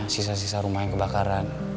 sisa sisa rumah yang kebakaran